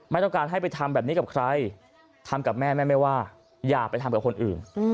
ไม่ต้องการให้ไปทำแบบนี้กับใครทำกับแม่แม่ไม่ว่าอย่าไปทำกับคนอื่น